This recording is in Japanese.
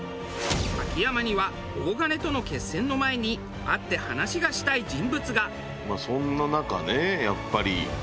秋山には大金との決戦の前に会って話がしたい人物が。